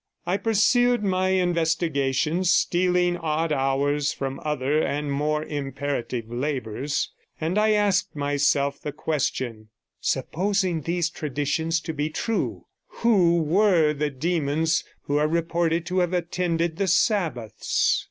I pursued my investigations, stealing odd hours from other and more imperative labours, and I asked myself the question: Supposing these traditions to be true, who were the demons who are reported to have attended the Sabbaths?